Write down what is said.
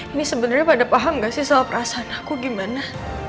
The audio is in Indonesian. ini sebenarnya pada paham gak sih soal perasaan aku gimana